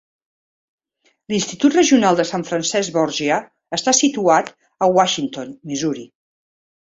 L'Institut Regional de San Francesc Borgia està situat a Washington, Missouri.